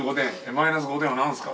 マイナス５点は何ですか？